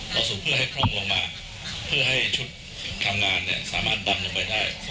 กระสุนเพื่อให้คล่องลงมาเพื่อให้ชุดทำงานเนี่ยสามารถดำลงไปได้